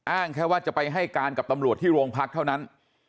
อ้างแค่ว่าจะไปให้การกับตำรวจที่โรงพักเท่านั้น